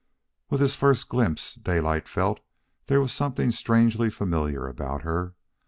With his first glimpse, Daylight felt there was something strangely familiar about her.